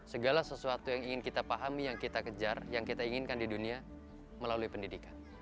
segala sesuatu yang ingin kita pahami yang kita kejar yang kita inginkan di dunia melalui pendidikan